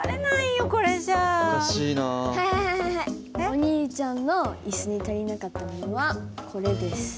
お兄ちゃんのイスに足りなかったものはこれです。